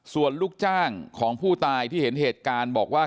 ส่วนลูกจ้างของผู้ตายที่เห็นเหตุการณ์บอกว่า